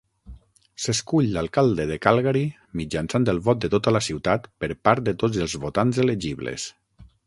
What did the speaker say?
S'escull l'alcalde de Calgary mitjançant el vot de tota la ciutat per part de tots els votants elegibles.